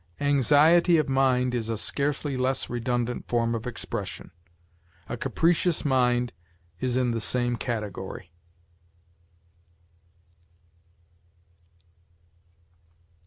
Anxiety of mind is a scarcely less redundant form of expression. A capricious mind is in the same category.